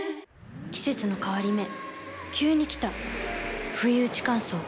季節の変わり目急に来たふいうち乾燥。